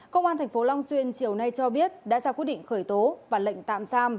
công an tp long xuyên chiều nay cho biết đã ra quyết định khởi tố và lệnh tạm giam